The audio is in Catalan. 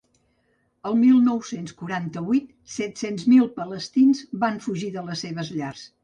El mil nou-cents quaranta-vuit, set-cents mil palestins van fugir de les seves llars.